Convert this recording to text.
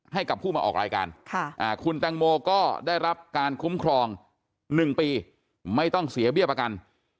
ให้กับผู้มาออกรายการคุณแตงโมก็ได้รับการคุ้มครอง๑ปีไม่ต้องเสียเบี้ยประกัน